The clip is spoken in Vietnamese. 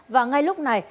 và ngay lúc này